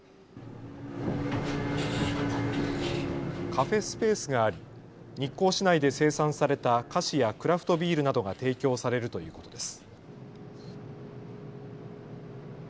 カフェスペースがあり日光市内で生産された菓子やクラフトビールなどが提供されるということです。